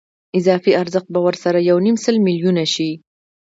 اضافي ارزښت به ورسره یو نیم سل میلیونه شي